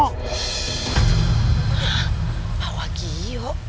hah pak wagiyo